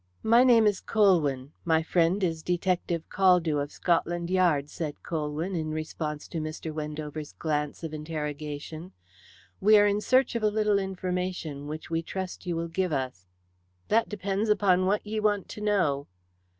"My name is Colwyn; my friend is Detective Caldew, of Scotland Yard," said Colwyn, in response to Mr. Wendover's glance of interrogation. "We are in search of a little information, which we trust you will give us." "That depends upon what ye want to know."